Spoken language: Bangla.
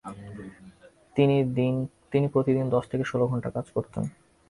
তিনি প্রতিদিন দশ থেকে ষোল ঘণ্টা কাজ করতেন।